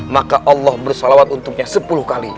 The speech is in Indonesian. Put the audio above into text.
maka allah bersalawat untuknya sepuluh kali